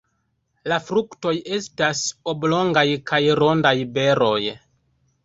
La fruktoj estas oblongaj kaj rondaj beroj.